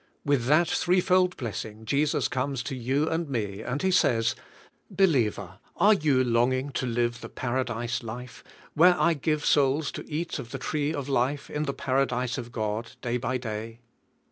With that three fold blessing Jesus comes to you and me, and He says: "Believer, are you longing to live the Paradise life, where I give souls to eat of the Tree 128 DEAD WITH CHRIST of Life, in the Paradise of God, day by day?